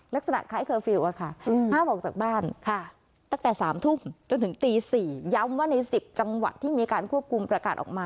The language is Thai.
ลักษณะคล้ายเคอร์ฟิลล์ห้ามออกจากบ้านตั้งแต่๓ทุ่มจนถึงตี๔ย้ำว่าใน๑๐จังหวัดที่มีการควบคุมประกาศออกมา